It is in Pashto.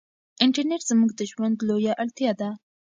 انټرنيټ زموږ د ژوند لویه اړتیا ده.